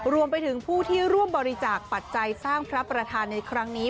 รวมไปถึงผู้ที่ร่วมบริจาคปัจจัยสร้างพระประธานในครั้งนี้